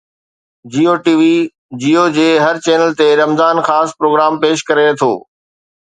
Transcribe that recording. جيو ٽي وي جيو جي هر چينل تي رمضان خاص پروگرام پيش ڪري ٿو